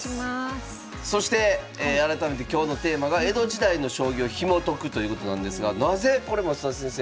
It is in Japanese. そして改めて今日のテーマが江戸時代の将棋をひも解くということなんですがなぜこれ増田先生